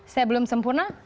saya belum sempurna